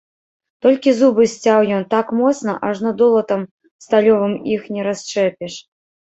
Толькі зубы сцяў ён так моцна, ажно долатам сталёвым іх не расшчэпіш.